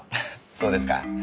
そうですか。